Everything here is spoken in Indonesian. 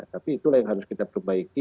tapi itulah yang harus kita perbaiki